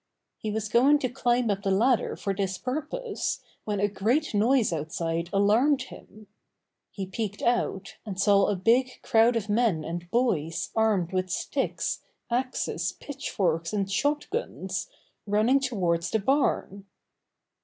He was going to climb up the ladder for this purpose when a great noise outside alarmed him. He peeked out, and saw a big crowd of men and boys armed with sticks, axes, pitchforks and shot guns, running toward the barn.